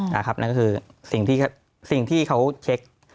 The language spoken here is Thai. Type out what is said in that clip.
นะครับนั่นก็คือสิ่งที่เขาเช็ค